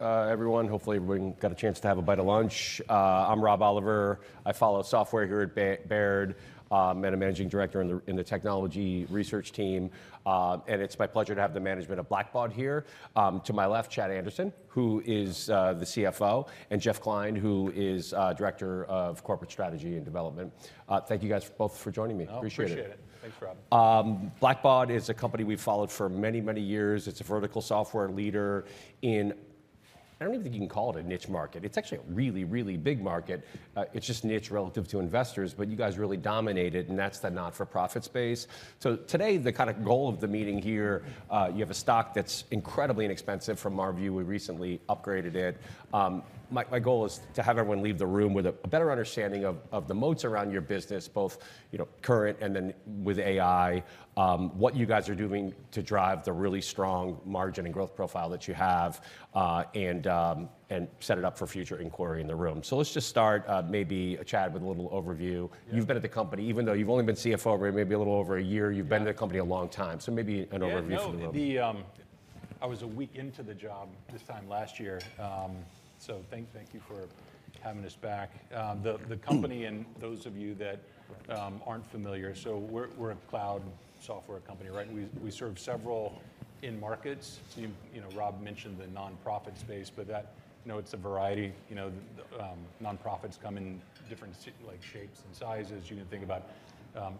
Everyone, hopefully everyone got a chance to have a bite of lunch. I'm Rob Oliver. I follow software here at Baird. I'm a managing director in the technology research team. It's my pleasure to have the management of Blackbaud here. To my left, Chad Anderson, who is the CFO, and Jeff Klein, who is Director of Corporate Strategy and Development. Thank you guys both for joining me. Appreciate it. Oh, appreciate it. Thanks, Rob. Blackbaud is a company we've followed for many, many years. It's a vertical software leader. I don't even think you can call it a niche market. It's actually a really, really big market. It's just niche relative to investors, but you guys really dominate it, and that's the not-for-profit space. Today, the goal of the meeting here, you have a stock that's incredibly inexpensive from our view. We recently upgraded it. My goal is to have everyone leave the room with a better understanding of the moats around your business, both current and then with AI, what you guys are doing to drive the really strong margin and growth profile that you have, and set it up for future inquiry in the room. Let's just start, maybe, Chad, with a little overview. Yeah. You've been at the company, even though you've only been CFO maybe a little over a year, you've been at the company a long time. maybe an overview for the room. I was a week into the job this time last year. Thank you for having us back. The company, and those of you that aren't familiar, we're a cloud software company, right? We serve several end markets. Rob mentioned the nonprofit space, it's a variety. Nonprofits come in different shapes and sizes. You can think about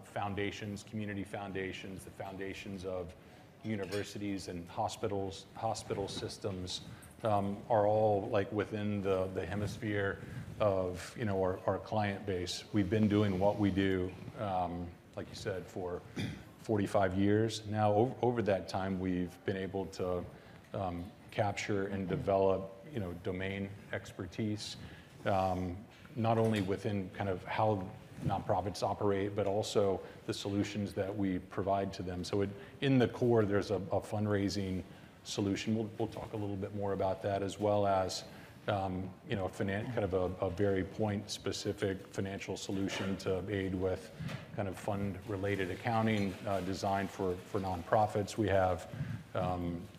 foundations, community foundations, the foundations of universities and hospital systems are all within the hemisphere of our client base. We've been doing what we do, like you said, for 45 years now. Over that time, we've been able to capture and develop domain expertise, not only within how nonprofits operate, but also the solutions that we provide to them. In the core, there's a fundraising solution. We'll talk a little bit more about that as well as a very point-specific financial solution to aid with fund-related accounting designed for nonprofits. We have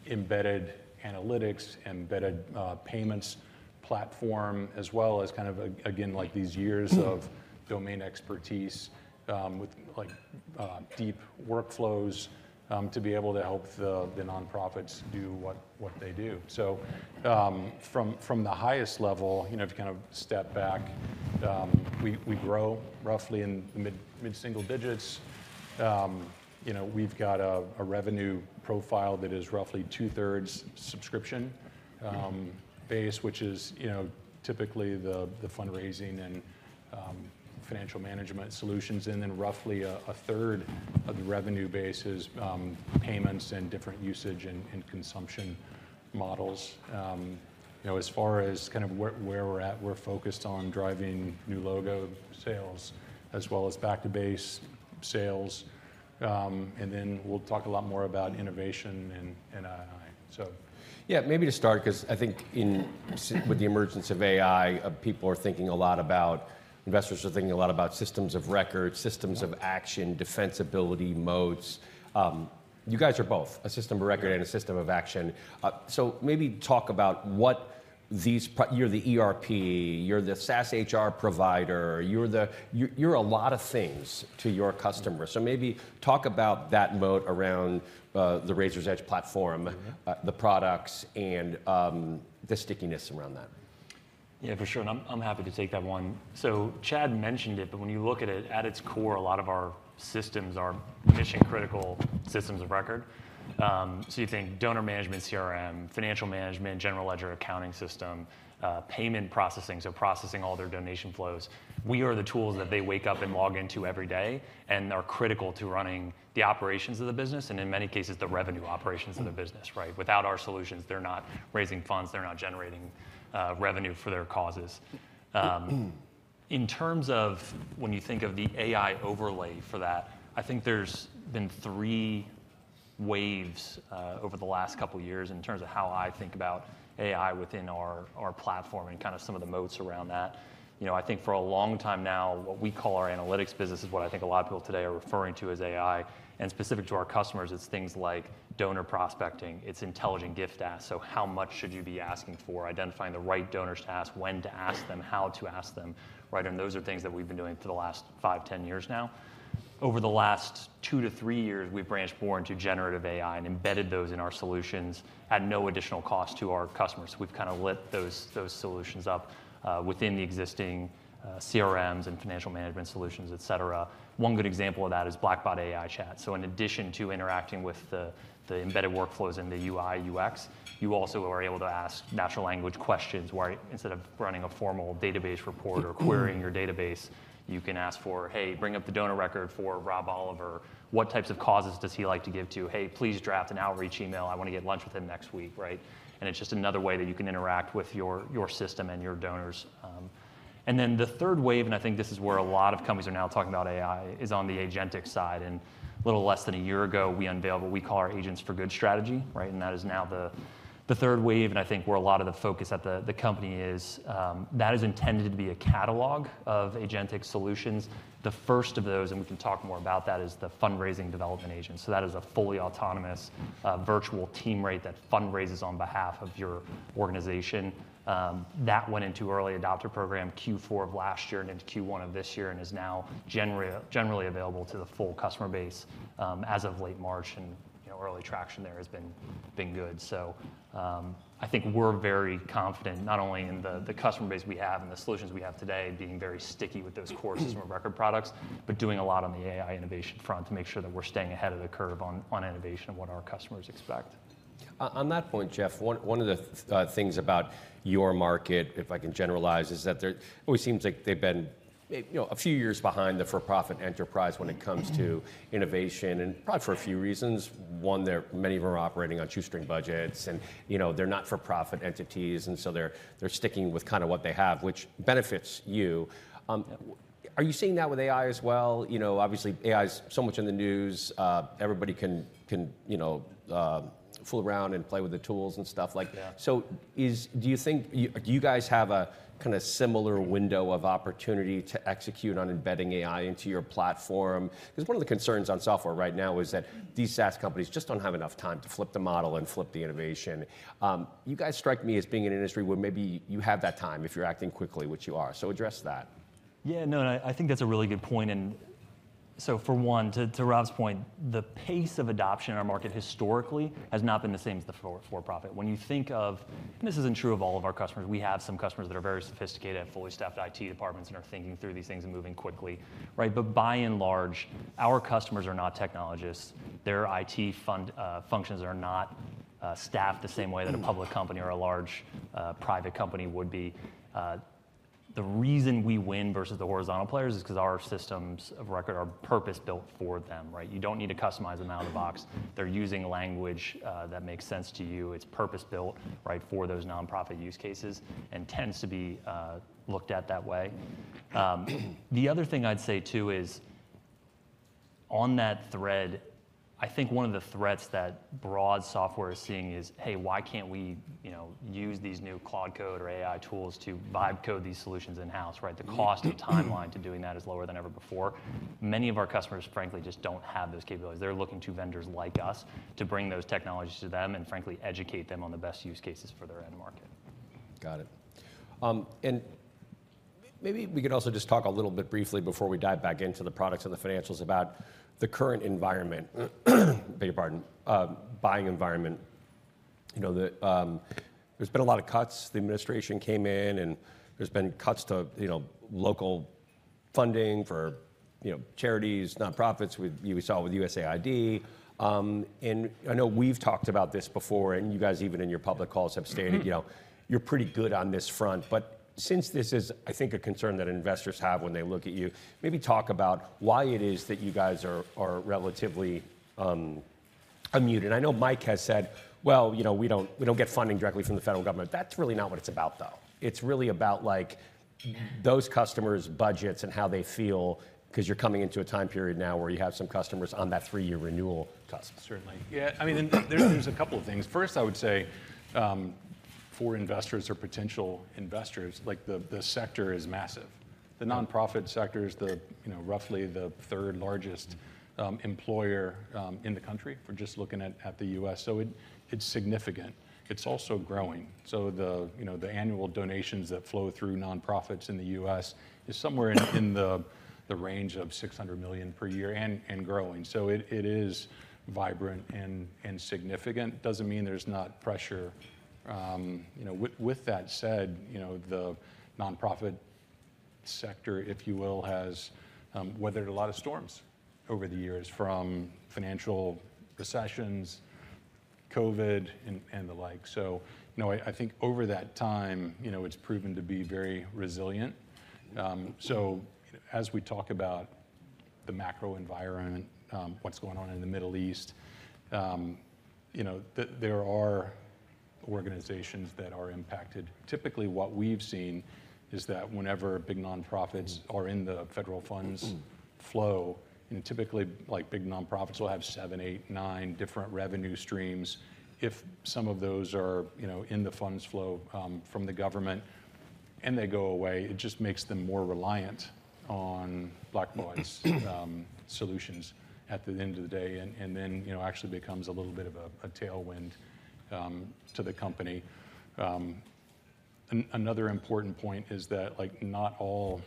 embedded analytics, embedded payments platform, as well as, again, these years of domain expertise with deep workflows to be able to help the nonprofits do what they do. From the highest level, to step back, we grow roughly in mid-single digits. We've got a revenue profile that is roughly 2/3 subscription base, which is typically the fundraising and financial management solutions. Then roughly 1/3 of the revenue base is payments and different usage and consumption models. As far as where we're at, we're focused on driving new logo sales as well as back-to-base sales. Then we'll talk a lot more about innovation and AI. Maybe to start, because I think with the emergence of AI, investors are thinking a lot about systems of record, systems of action, defensibility, moats. You guys are both a system of record and a system of action. Maybe talk about what these. You're the ERP, you're the SaaS HR provider. You're a lot of things to your customers. Maybe talk about that moat around the Raiser's Edge platform, the products, and the stickiness around that. Yeah, for sure. I'm happy to take that one. Chad mentioned it. When you look at it, at its core, a lot of our systems are mission-critical systems of record. You think donor management, CRM, financial management, general ledger accounting system, payment processing all their donation flows. We are the tools that they wake up and log into every day, and are critical to running the operations of the business, and in many cases, the revenue operations of the business, right? Without our solutions, they're not raising funds, they're not generating revenue for their causes. In terms of when you think of the AI overlay for that, I think there's been three waves over the last couple of years in terms of how I think about AI within our platform and some of the moats around that. I think for a long time now, what we call our analytics business is what I think a lot of people today are referring to as AI. Specific to our customers, it's things like donor prospecting, it's intelligent gift ask. How much should you be asking for? Identifying the right donors to ask, when to ask them, how to ask them, right? Those are things that we've been doing for the last five, 10 years now. Over the last two to three years, we've branched more into generative AI and embedded those in our solutions at no additional cost to our customers. We've lit those solutions up within the existing CRMs and financial management solutions, et cetera. One good example of that is Blackbaud AI Chat. In addition to interacting with the embedded workflows in the UI, UX, you also are able to ask natural language questions, where instead of running a formal database report or querying your database, you can ask for, "Hey, bring up the donor record for Rob Oliver. What types of causes does he like to give to? Hey, please draft an outreach email. I want to get lunch with him next week." Right? It's just another way that you can interact with your system and your donors. The third wave, and I think this is where a lot of companies are now talking about AI, is on the agentic side. Little less than a year ago, we unveiled what we call our Agents for Good strategy, right? That is now the third wave, and I think where a lot of the focus at the company is. That is intended to be a catalog of agentic solutions. The first of those, and we can talk more about that, is the fundraising development agent. That is a fully autonomous virtual teammate that fundraises on behalf of your organization. That went into early adopter program Q4 of last year and into Q1 of this year, and is now generally available to the full customer base, as of late March. Early traction there has been good. I think we're very confident not only in the customer base we have and the solutions we have today, being very sticky with those core and record products, but doing a lot on the AI innovation front to make sure that we're staying ahead of the curve on innovation and what our customers expect. On that point, Jeff, one of the things about your market, if I can generalize, is that there always seems like they've been a few years behind the for-profit enterprise when it comes to innovation, and probably for a few reasons. One, many of them are operating on shoestring budgets, and they're not for-profit entities. They're sticking with what they have, which benefits you. Are you seeing that with AI as well? Obviously AI is so much in the news. Everybody can fool around and play with the tools and stuff like that. Do you guys have a similar window of opportunity to execute on embedding AI into your platform? One of the concerns on software right now is that these SaaS companies just don't have enough time to flip the model and flip the innovation. You guys strike me as being an industry where maybe you have that time, if you're acting quickly, which you are. Address that. Yeah, no, I think that's a really good point. For one, to Rob's point, the pace of adoption in our market historically has not been the same as the for-profit. This isn't true of all of our customers. We have some customers that are very sophisticated, have fully staffed IT departments, and are thinking through these things and moving quickly. By and large, our customers are not technologists. Their IT functions are not staffed the same way that a public company or a large private company would be. The reason we win versus the horizontal players is because our systems of record are purpose-built for them, right? You don't need to customize them out of the box. They're using language that makes sense to you. It's purpose-built for those nonprofit use cases and tends to be looked at that way. The other thing I'd say, too, is on that thread, I think one of the threats that Blackbaud software is seeing is, hey, why can't we use these new cloud code or AI tools to vibe code these solutions in-house, right? The cost and timeline to doing that is lower than ever before. Many of our customers, frankly, just don't have those capabilities. They're looking to vendors like us to bring those technologies to them and frankly, educate them on the best use cases for their end market. Got it. Maybe we could also just talk a little bit briefly before we dive back into the products and the financials, about the current environment, beg your pardon, buying environment. There's been a lot of cuts. The administration came in, and there's been cuts to local funding for charities, nonprofits, we saw it with USAID. I know we've talked about this before, and you guys, even in your public calls have stated you're pretty good on this front. Since this is, I think, a concern that investors have when they look at you, maybe talk about why it is that you guys are relatively immune. I know Mike has said, "Well, we don't get funding directly from the federal government." That's really not what it's about, though. It's really about those customers' budgets and how they feel, because you're coming into a time period now where you have some customers on that three-year renewal cycle. Certainly. Yeah, there's a couple of things. First, I would say, for investors or potential investors, the sector is massive. The nonprofit sector is roughly the third-largest employer in the country, if we're just looking at the U.S. It's significant. It's also growing. The annual donations that flow through nonprofits in the U.S. is somewhere in the range of $600 billion per year and growing. It is vibrant and significant. Doesn't mean there's not pressure. With that said, the nonprofit sector, if you will, has weathered a lot of storms over the years, from financial recessions, COVID, and the like. I think over that time, it's proven to be very resilient. As we talk about the macro environment, what's going on in the Middle East, there are organizations that are impacted. Typically, what we've seen is that whenever big nonprofits are in the federal funds flow, typically big nonprofits will have seven, eight, nine different revenue streams. If some of those are in the funds flow from the government and they go away, it just makes them more reliant on Blackbaud's solutions at the end of the day, then it actually becomes a little bit of a tailwind to the company. Another important point is that not all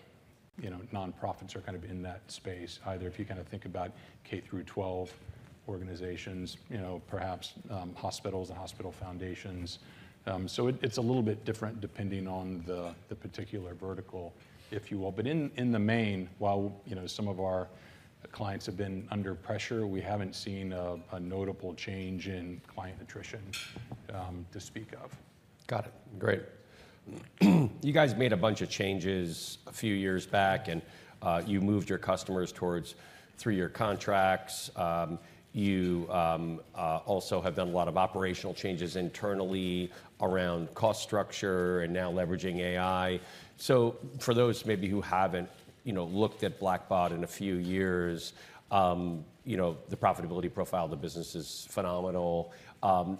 nonprofits are in that space either. If you think about K-12 organizations, perhaps hospitals and hospital foundations. It's a little bit different depending on the particular vertical, if you will. In the main, while some of our clients have been under pressure, we haven't seen a notable change in client attrition to speak of. Got it. Great. You guys made a bunch of changes a few years back, and you moved your customers towards three-year contracts. You also have done a lot of operational changes internally around cost structure and now leveraging AI. For those maybe who haven't looked at Blackbaud in a few years, the profitability profile of the business is phenomenal.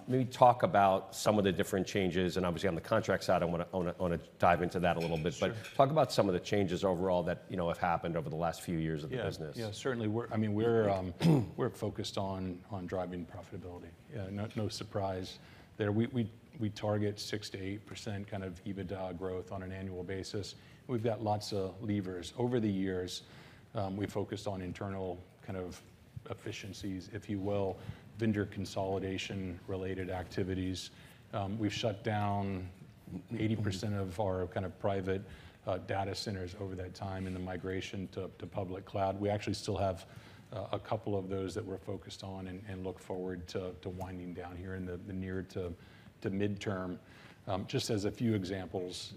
Maybe talk about some of the different changes, and obviously on the contracts side, I want to dive into that a little bit. Sure. Talk about some of the changes overall that have happened over the last few years of the business. Certainly, we're focused on driving profitability. No surprise there. We target 6%-8% kind of EBITDA growth on an annual basis. We've got lots of levers. Over the years, we've focused on internal efficiencies, if you will, vendor consolidation related activities. We've shut down 80% of our private data centers over that time in the migration to public cloud. We actually still have two of those that we're focused on and look forward to winding down here in the near to mid-term. Just as a few examples.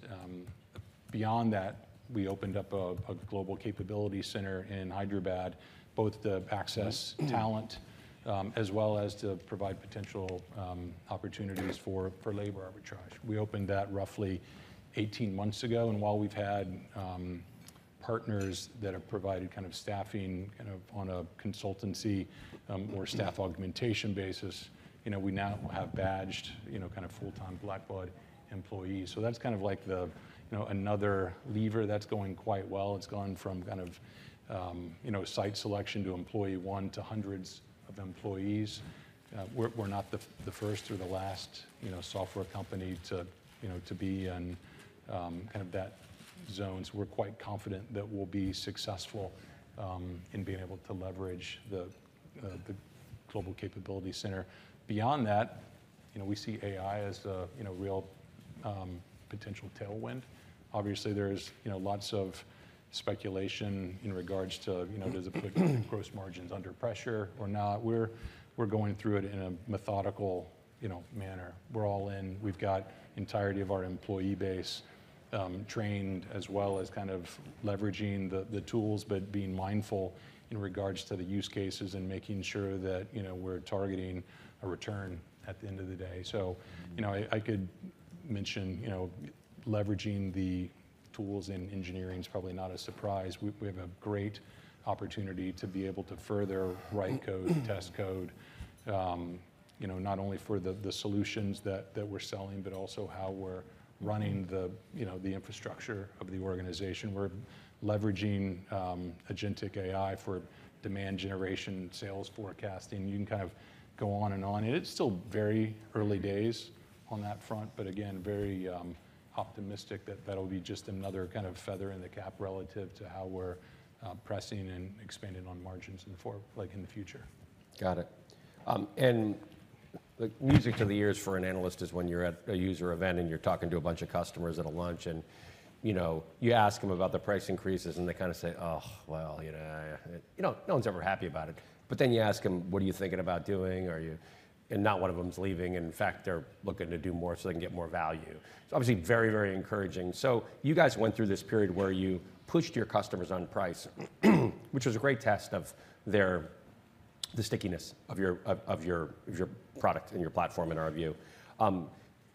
Beyond that, we opened up a global capability center in Hyderabad, both to access talent as well as to provide potential opportunities for labor arbitrage. While we've had partners that have provided staffing on a consultancy or staff augmentation basis, we now have badged full-time Blackbaud employees. That's another lever that's going quite well. It's gone from site selection to employee one, to hundreds of employees. We're not the first or the last software company to be in that zone, so we're quite confident that we'll be successful in being able to leverage the global capability center. Beyond that, we see AI as a real potential tailwind. Obviously, there's lots of speculation in regards to, does it put gross margins under pressure or not? We're going through it in a methodical manner. We're all in. We've got the entirety of our employee base trained, as well as leveraging the tools, but being mindful in regards to the use cases and making sure that we're targeting a return at the end of the day. I could mention leveraging the tools in engineering is probably not a surprise. We have a great opportunity to be able to further write code, test code, not only for the solutions that we're selling, but also how we're running the infrastructure of the organization. We're leveraging agentic AI for demand generation sales forecasting. You can kind of go on and on, and it's still very early days on that front. Again, very optimistic that that'll be just another feather in the cap relative to how we're pressing and expanding on margins in the future. Got it. Like music to the ears for an analyst is when you're at a user event, and you're talking to a bunch of customers at a lunch, and you ask them about the price increases, and they kind of say, "Oh, well." No one's ever happy about it. Then you ask them, "What are you thinking about doing? Are you" Not one of them is leaving. In fact, they're looking to do more, so they can get more value. Obviously very, very encouraging. You guys went through this period where you pushed your customers on price, which was a great test of the stickiness of your product and your platform, in our view.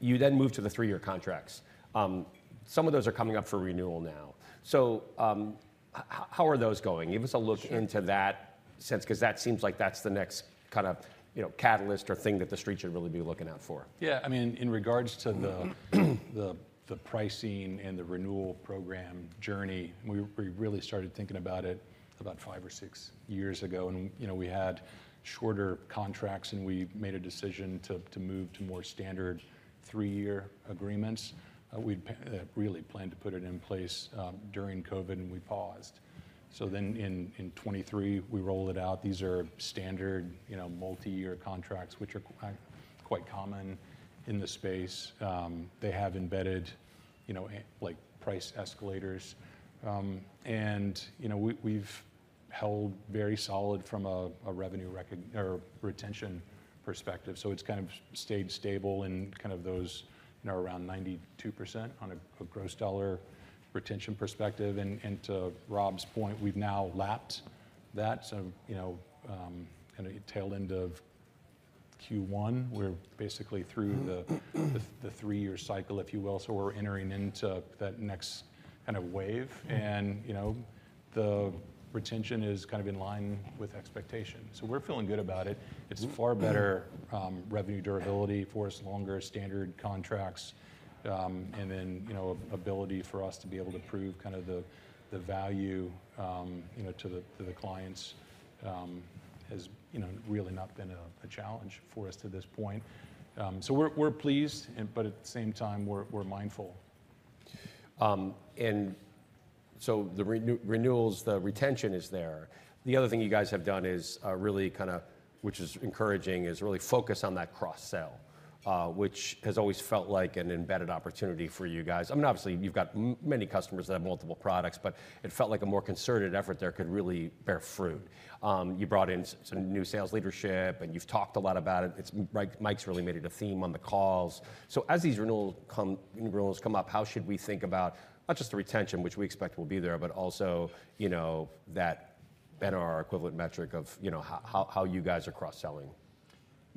You then moved to the three-year contracts. Some of those are coming up for renewal now. How are those going? Give us a look into that sense, because that seems like that's the next kind of catalyst or thing that the Street should really be looking out for. Yeah. In regards to the pricing and the renewal program journey, we really started thinking about it about five or six years ago. We had shorter contracts, and we made a decision to move to more standard three-year agreements. We'd really planned to put it in place during COVID, and we paused. In 2023, we rolled it out. These are standard multi-year contracts, which are quite common in the space. They have embedded price escalators. We've held very solid from a retention perspective. It's kind of stayed stable in kind of those around 92% on a gross dollar retention perspective. To Rob's point, we've now lapped that. At the tail end of Q1, we're basically through the three-year cycle, if you will. We're entering into that next kind of wave. The retention is kind of in line with expectations. We're feeling good about it. It's far better revenue durability for us, longer standard contracts. The ability for us to be able to prove the value to the clients has really not been a challenge for us to this point. We're pleased, but at the same time, we're mindful. The renewals, the retention is there. The other thing you guys have done, which is encouraging, is really focus on that cross-sell, which has always felt like an embedded opportunity for you guys. Obviously, you've got many customers that have multiple products, but it felt like a more concerted effort there could really bear fruit. You brought in some new sales leadership, and you've talked a lot about it. Mike's really made it a theme on the calls. As these renewals come up, how should we think about not just the retention, which we expect will be there, but also that NRR equivalent metric of how you guys are cross-selling?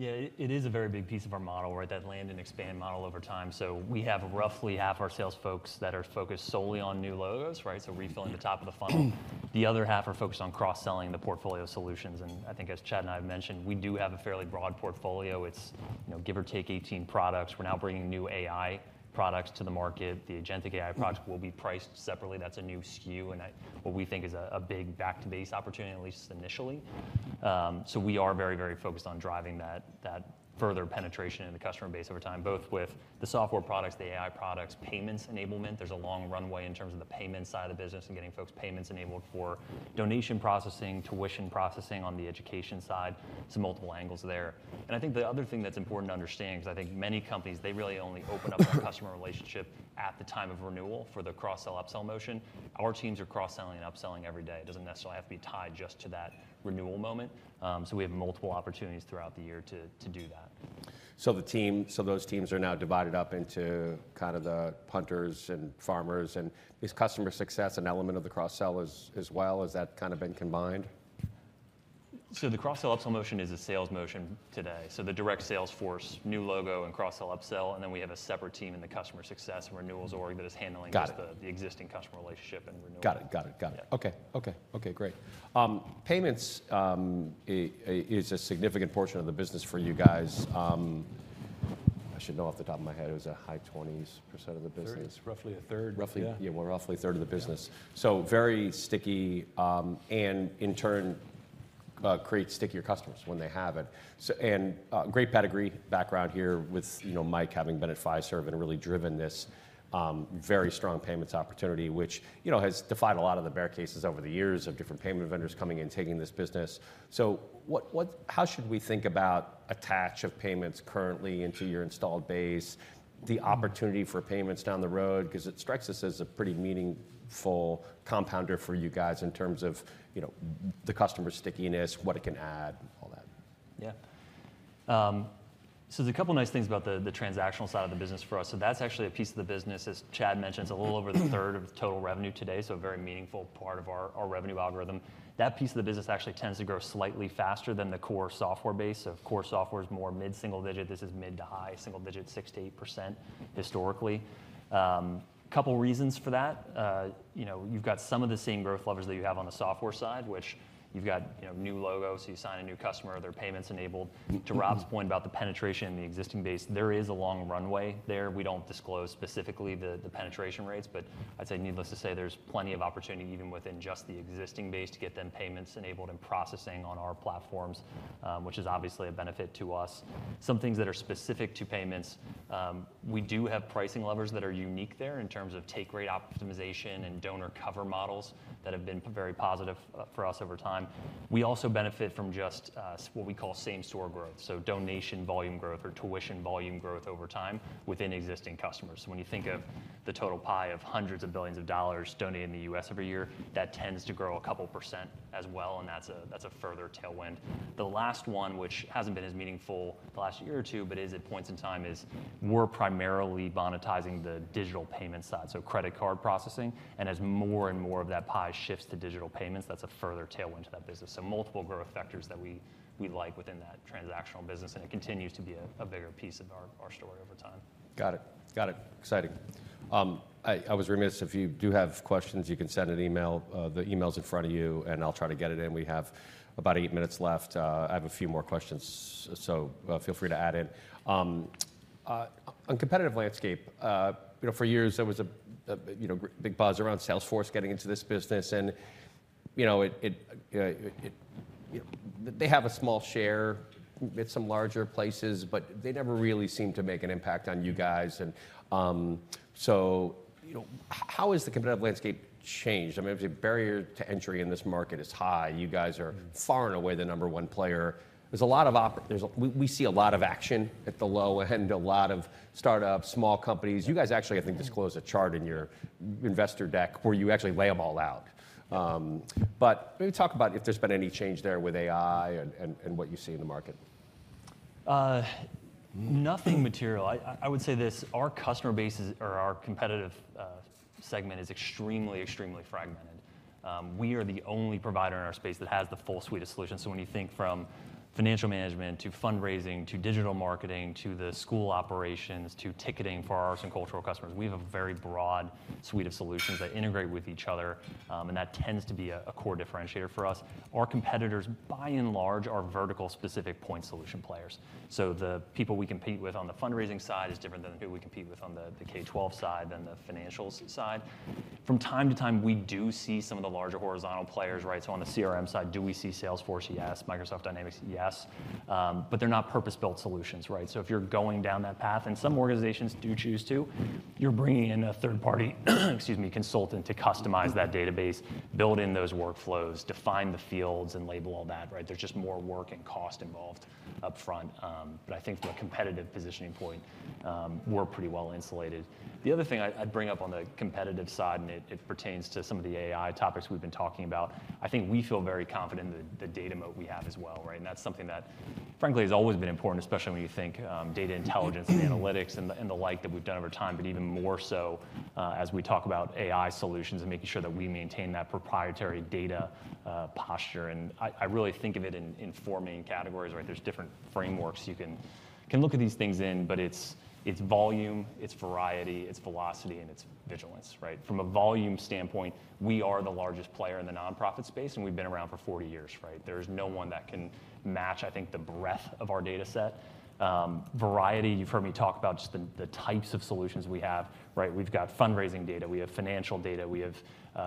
Yeah. It is a very big piece of our model, that land and expand model over time. We have roughly half our sales folks that are focused solely on new logos, so refilling the top of the funnel. The other half are focused on cross-selling the portfolio solutions, and I think as Chad and I have mentioned, we do have a fairly broad portfolio. It's give or take 18 products. We're now bringing new AI products to the market. The agentic AI product will be priced separately. That's a new SKU and what we think is a big back to base opportunity, at least initially. We are very, very focused on driving that further penetration in the customer base over time, both with the software products, the AI products, payments enablement. There's a long runway in terms of the payments side of the business and getting folks payments-enabled for donation processing, tuition processing on the education side. Multiple angles there. I think the other thing that's important to understand because I think many companies, they really only open up their customer relationship at the time of renewal for the cross-sell, up-sell motion. Our teams are cross-selling and upselling every day. It doesn't necessarily have to be tied just to that renewal moment. We have multiple opportunities throughout the year to do that. Those teams are now divided up into the hunters and farmers. Is customer success an element of the cross-sell as well? Has that been combined? The cross-sell, up-sell motion is a sales motion today, so the direct sales force, new logo, and cross-sell, up-sell, and then we have a separate team in the customer success and renewals org that is handling- Got it. just the existing customer relationship and renewals. Got it. Got it. Yeah. Okay, great. Payments is a significant portion of the business for you guys. I should know off the top of my head. It was a high 20s% of the business. It's roughly 1/3. Yeah. Roughly, yeah, more roughly 1/3 of the business. Yeah. Very sticky, and in turn, creates stickier customers when they have it. Great pedigree background here with Mike having been at Fiserv and really driven this very strong payments opportunity, which has defied a lot of the bear cases over the years of different payment vendors coming in, taking this business. How should we think about attach of payments currently into your installed base, the opportunity for payments down the road? It strikes us as a pretty meaningful compounder for you guys in terms of the customer stickiness, what it can add, all that. Yeah. There's a couple of nice things about the transactional side of the business for us. That's actually a piece of the business, as Chad mentioned, it's a little over 1/3 of total revenue today, a very meaningful part of our revenue algorithm. That piece of the business actually tends to grow slightly faster than the core software base. Core software is more mid-single digit. This is mid to high single digit, 6%-8% historically. Couple reasons for that. You've got some of the same growth levers that you have on the software side, which you've got new logos, so you sign a new customer, they're payments-enabled. To Rob's point about the penetration in the existing base, there is a long runway there. We don't disclose specifically the penetration rates, but I'd say needless to say, there's plenty of opportunity even within just the existing base to get them payments-enabled and processing on our platforms, which is obviously a benefit to us. Some things that are specific to payments, we do have pricing levers that are unique there in terms of take rate optimization and donor cover models that have been very positive for us over time. We also benefit from just what we call same-store growth, so donation volume growth or tuition volume growth over time within existing customers. When you think of the total pie of hundreds of billions of dollars donated in the U.S. every year, that tends to grow a couple percent as well, and that's a further tailwind. The last one, which hasn't been as meaningful the last year or two, but is at points in time, is we're primarily monetizing the digital payment side, so credit card processing. As more and more of that pie shifts to digital payments, that's a further tailwind to that business. Multiple growth vectors that we like within that transactional business, and it continues to be a bigger piece of our story over time. Got it. Exciting. I was remiss, if you do have questions, you can send an email. The email's in front of you, and I'll try to get it in. We have about eight minutes left. I have a few more questions. Feel free to add in. On competitive landscape, for years there was a big buzz around Salesforce getting into this business, and they have a small share with some larger places, but they never really seemed to make an impact on you guys. How has the competitive landscape changed? Obviously, barrier to entry in this market is high. You guys are far and away the number one player. We see a lot of action at the low end, a lot of startups, small companies. You guys actually, I think, disclose a chart in your investor deck where you actually lay them all out. Maybe talk about if there's been any change there with AI and what you see in the market. Nothing material. I would say this: Our customer base or our competitive segment is extremely fragmented. We are the only provider in our space that has the full suite of solutions. When you think from financial management to fundraising, to digital marketing, to the school operations, to ticketing for our arts and cultural customers, we have a very broad suite of solutions that integrate with each other, and that tends to be a core differentiator for us. Our competitors, by and large, are vertical specific point solution players. The people we compete with on the fundraising side is different than the people we compete with on the K-12 side, than the financials side. From time to time, we do see some of the larger horizontal players. On the CRM side, do we see Salesforce? Yes. Microsoft Dynamics, yes. They're not purpose-built solutions. If you're going down that path, and some organizations do choose to, you're bringing in a third-party excuse me, consultant to customize that database, build in those workflows, define the fields, and label all that. There's just more work and cost involved upfront. I think from a competitive positioning point, we're pretty well insulated. The other thing I'd bring up on the competitive side, and it pertains to some of the AI topics we've been talking about, I think we feel very confident in the data moat we have as well. That's something that frankly has always been important, especially when you think data intelligence analytics and the like that we've done over time, but even more so as we talk about AI solutions and making sure that we maintain that proprietary data posture. I really think of it in four main categories, right? There's different frameworks you can look at these things in, but it's volume, it's variety, it's velocity, and it's vigilance, right? From a volume standpoint, we are the largest player in the nonprofit space, and we've been around for 40 years, right? There's no one that can match, I think, the breadth of our data set. Variety, you've heard me talk about just the types of solutions we have, right? We've got fundraising data, we have financial data, we have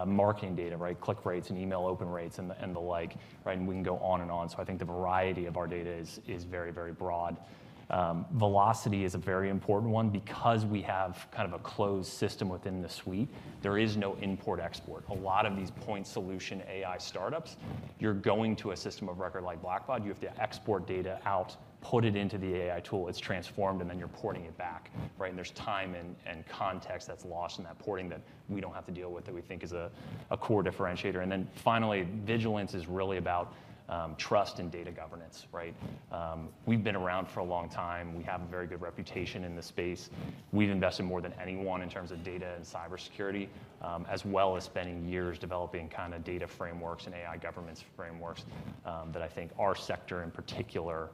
marketing data, right? Click rates and email open rates and the like, right? We can go on and on. I think the variety of our data is very broad. Velocity is a very important one because we have kind of a closed system within the suite. There is no import-export. A lot of these point solution AI startups, you're going to a system of record like Blackbaud, you have to export data out, put it into the AI tool, it's transformed, and then you're porting it back, right? There's time and context that's lost in that porting that we don't have to deal with that we think is a core differentiator. Finally, vigilance is really about trust and data governance, right? We've been around for a long time. We have a very good reputation in this space. We've invested more than anyone in terms of data and cybersecurity, as well as spending years developing kind of data frameworks and AI governance frameworks, that I think our sector in particular,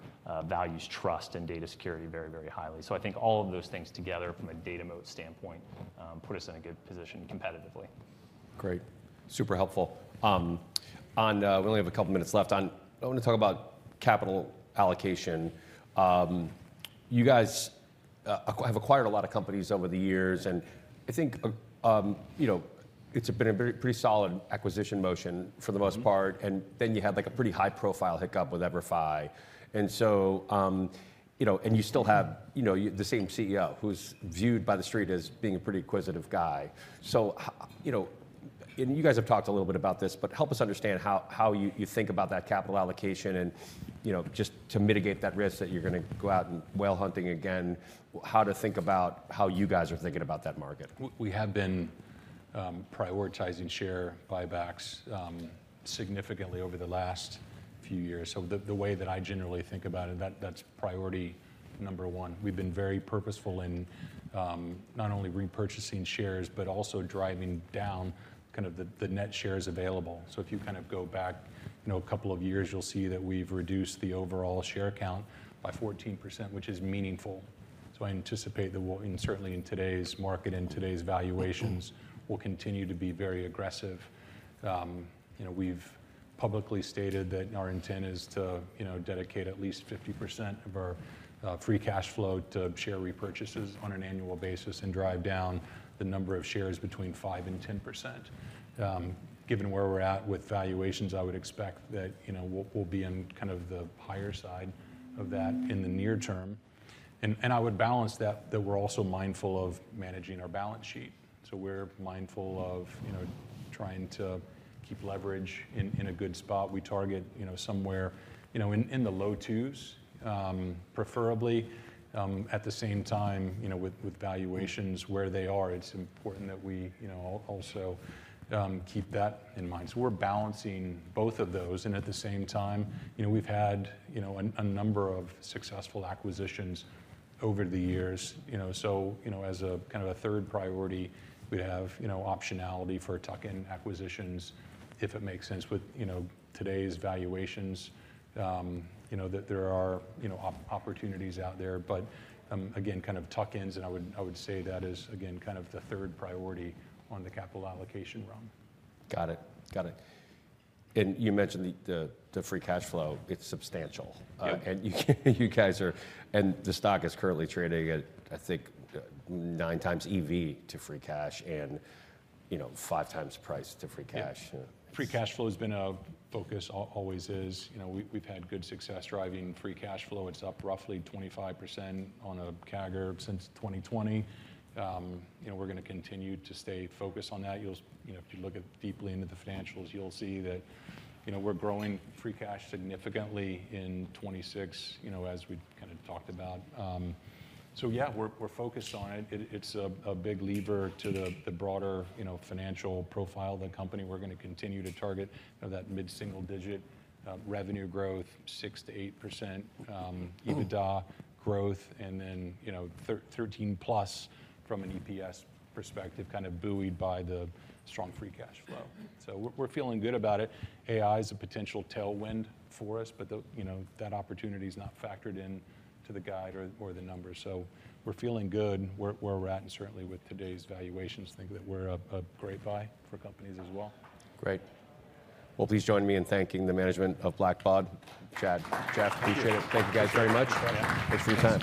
values trust and data security very highly. I think all of those things together from a data moat standpoint, put us in a good position competitively. Great. Super helpful. We only have a couple minutes left. I want to talk about capital allocation. You guys have acquired a lot of companies over the years. I think it's been a pretty solid acquisition motion for the most part. Then you had a pretty high-profile hiccup with EVERFI. You still have the same CEO who's viewed by the street as being a pretty acquisitive guy. You guys have talked a little bit about this. Help us understand how you think about that capital allocation and just to mitigate that risk that you're going to go out and whale hunting again, how to think about how you guys are thinking about that market. We have been prioritizing share buybacks significantly over the last few years. The way that I generally think about it, that's priority number one. We've been very purposeful in not only repurchasing shares, but also driving down the net shares available. If you go back a couple of years, you'll see that we've reduced the overall share count by 14%, which is meaningful. I anticipate that we'll, and certainly in today's market, in today's valuations, will continue to be very aggressive. We've publicly stated that our intent is to dedicate at least 50% of our free cash flow to share repurchases on an annual basis and drive down the number of shares between 5% and 10%. Given where we're at with valuations, I would expect that we'll be in the higher side of that in the near term. I would balance that we're also mindful of managing our balance sheet. We're mindful of trying to keep leverage in a good spot. We target somewhere in the low twos, preferably. At the same time, with valuations where they are, it's important that we also keep that in mind. We're balancing both of those, and at the same time, we've had a number of successful acquisitions over the years. As a third priority, we have optionality for tuck-in acquisitions, if it makes sense with today's valuations, that there are opportunities out there. Again, kind of tuck-ins, and I would say that is, again, the third priority on the capital allocation front. Got it. You mentioned the free cash flow, it's substantial. Yep. The stock is currently trading at, I think, nine times EV to free cash and five times price to free cash. Free cash flow has been a focus, always is. We've had good success driving free cash flow. It's up roughly 25% on a CAGR since 2020. We're going to continue to stay focused on that. If you look deeply into the financials you'll see that we're growing free cash significantly in 2026, as we kind of talked about. Yeah, we're focused on it. It's a big lever to the broader financial profile of the company. We're going to continue to target that mid-single-digit revenue growth, 6%-8% EBITDA growth, 13+ from an EPS perspective, kind of buoyed by the strong free cash flow. We're feeling good about it. AI is a potential tailwind for us, that opportunity's not factored into the guide or the numbers. We're feeling good where we're at. Certainly, with today's valuations, think that we're a great buy for companies as well. Great. Well, please join me in thanking the management of Blackbaud. Chad, Jeff, appreciate it. Thank you guys very much. Appreciate it. Thanks for your time.